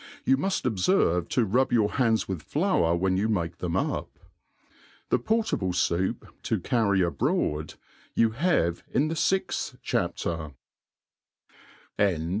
You muft obr ferve to rub your hands with flour when you make them up. * The por table* foup to carxy ab(;oad^ you have in the Sixth Chapter* <■.